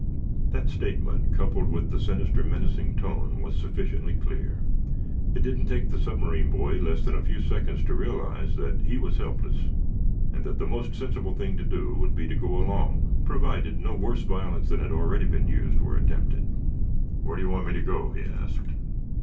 That statement, coupled with the sinister, menacing tone, was sufficiently clear. It didn't take the submarine boy more than a few seconds to realize that he was helpless, and that the most sensible thing to do would be to go along, provided no worse violence than had already been used were attempted. "Where do you want me to go?" he asked.